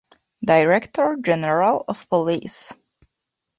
Director general of police